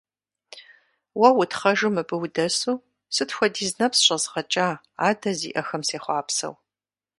Уэ утхъэжу мыбы удэсу, сыт хуэдиз нэпс щӀэзгъэкӀа адэ зиӀэхэм сехъуапсэу.